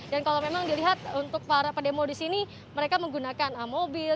dan kalau memang dilihat untuk para pedemo di sini mereka menggunakan mobil